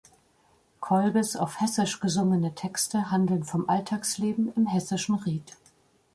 Kolbes auf Hessisch gesungene Texte handeln vom Alltagsleben im Hessischen Ried.